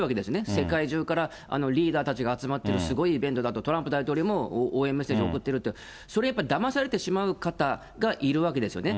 世界中からリーダーたちが集まってるすごいイベントだと、トランプ大統領も応援メッセージを送ってるって、それやっぱりだまされてしまう方がいるわけですよね。